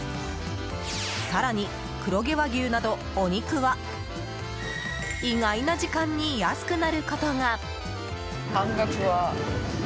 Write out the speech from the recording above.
更に黒毛和牛などお肉は意外な時間に安くなることが。